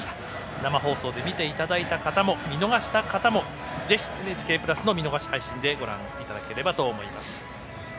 生放送で見ていただいた方も見逃した方もぜひ、ＮＨＫプラスの見逃し配信でご覧いただければと思います。